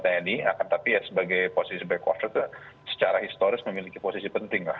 tni akan tapi sebagai posisi back quarter secara historis memiliki posisi penting lah